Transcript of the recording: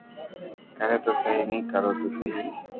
ڪري تو سھي ني ڪرو تو سھي